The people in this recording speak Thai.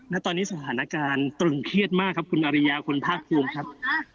และตอนนี้สถานการณ์ตรึงเครียดมากครับคุณอริยาคุณภาคภูมิครับ